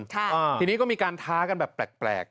ทีนี้ก็มีการท้ากันแบบแปลก